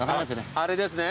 あれですね？